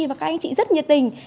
và các anh chị rất nhiệt tình